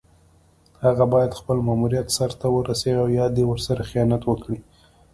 هغه باید خپل ماموریت سر ته ورسوي او یا دې ورسره خیانت وکړي.